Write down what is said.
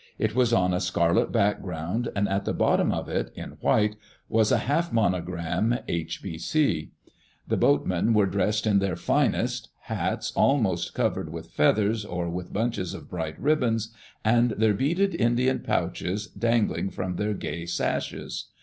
It was on a scarlet background and at the bottom of it, in white, was a half. monogram, |BC. The boatmen were dressed in their finest, hats almost covered with feathers or with bunches of bright ribbon, and their beaded Indian pouches dangling from their gay sashes.